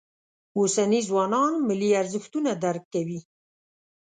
اوسني ځوانان ملي ارزښتونه درک کوي.